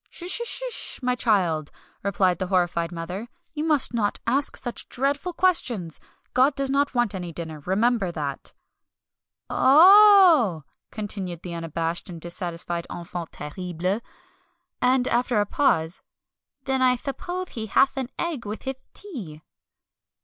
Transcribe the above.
"S sh sh, my child!" replied the horrified mother, "you must not ask such dreadful questions. God doesn't want any dinner, remember that." "Oh h h!" continued the unabashed and dissatisfied enfant terrible. And, after a pause, "then I thuppose he hath an egg with hith tea."